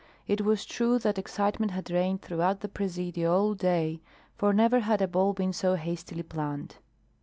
It was true that excitement had reigned throughout the Presidio all day, for never had a ball been so hastily planned.